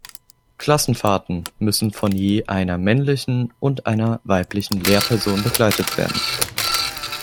Klassenfahrten müssen von je einer männlichen und einer weiblichen Lehrperson begleitet werden.